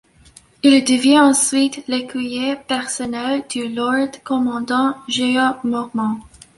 Il devient ensuite l'écuyer personnel du Lord Commandant Jeor Mormont.